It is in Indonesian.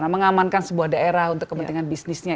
mengamankan sebuah daerah untuk kepentingan bisnisnya